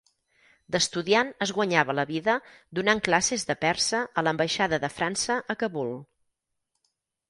D'estudiant es guanyava la vida donant classes de persa a l'ambaixada de França a Kabul.